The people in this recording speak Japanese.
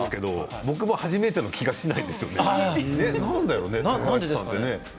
僕も初めての気がしないです。